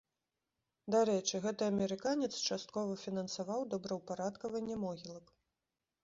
Дарэчы, гэты амерыканец часткова фінансаваў добраўпарадкаванне могілак.